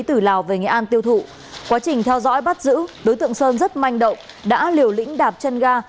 từ lào về nghệ an tiêu thụ quá trình theo dõi bắt giữ đối tượng sơn rất manh động đã liều lĩnh đạp chân ga